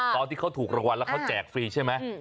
ตอนที่เขาถูกรางวัลแล้วเขาแจกฟรีใช่ไหม